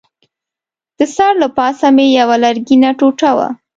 د سر له پاسه مې یوه لرګینه ټوټه وه.